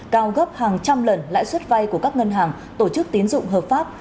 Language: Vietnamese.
cao gấp hàng trăm lần lãi suất vai của các ngân hàng tổ chức tiến dụng hợp pháp